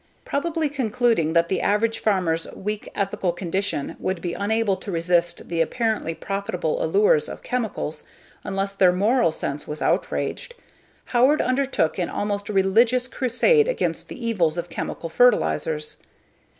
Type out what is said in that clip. Probably concluding that the average farmer's weak ethical condition would be unable to resist the apparently profitable allures of chemicals unless their moral sense was outraged, Howard undertook an almost religious crusade against the evils of chemical fertilizers.